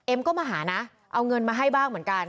ก็มาหานะเอาเงินมาให้บ้างเหมือนกัน